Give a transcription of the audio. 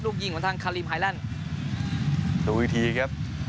ยิงของทางคารีมไฮแลนด์ดูอีกทีครับ